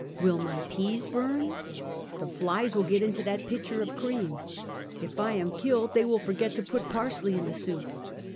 Will my peas burn? The flies will get into that pitcher of cream. If I am killed, they will forget to put parsley in the soup.